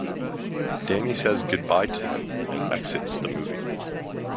Danny says goodbye to him and exits the movie.